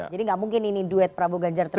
jadi gak mungkin ini duet prabowo ganjar terjadi